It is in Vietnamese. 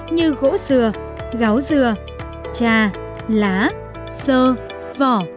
như gỗ dừa gáo dừa trà lá sơ vỏ